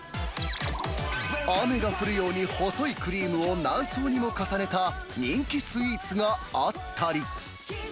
雨が降るように細いクリームを何層にも重ねた人気スイーツがあったり。